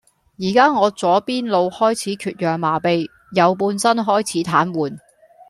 宜家我左邊腦開始缺氧麻痺，右半身開始癱瘓